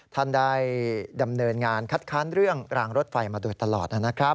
ท่านได้ดำเนินงานคัดค้านเรื่องรางรถไฟมาโดยตลอดนะครับ